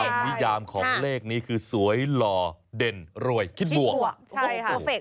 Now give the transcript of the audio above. ความพิการของเลขนี้คือสวยหล่อเด่นรวยคิดบวก